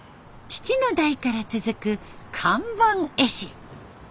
父の代から続く看板絵師。